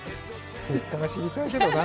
結果が知りたいけどなぁ。